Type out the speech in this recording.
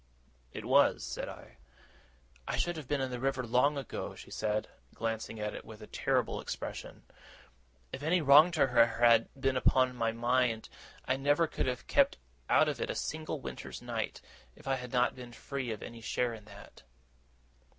'It was,' said I. 'I should have been in the river long ago,' she said, glancing at it with a terrible expression, 'if any wrong to her had been upon my mind. I never could have kept out of it a single winter's night, if I had not been free of any share in that!